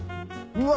うわ。